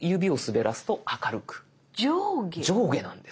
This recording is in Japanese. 上下なんです。